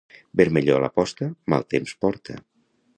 Vermellor a la posta, mal temps porta.